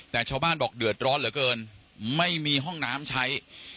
แต่ชาวบ้านบอกเดือดร้อนเหลือเกินไม่มีห้องน้ำใช้